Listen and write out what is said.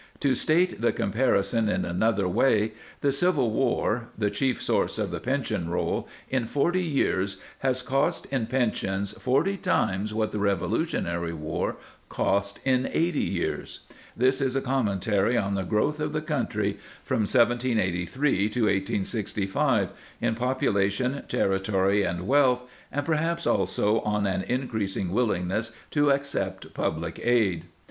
To state the comparison in another way, the Civil War (the chief source of the pension roll) in forty years has cost in pensions forty times what the Revolutionary War cost in eighty years.^ This is a commentary on the growth of the country from 1783 to 1865 in population, territory, and wealth, and perhaps also on an increasing willing ness to accept public aid.